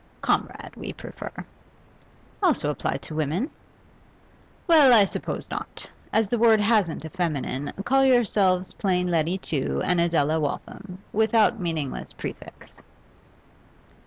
'Comrade, we prefer.' 'Also applied to women?' 'Well, I suppose not. As the word hasn't a feminine, call yourselves plain Letty Tew and Adela Waltham, without meaningless prefix.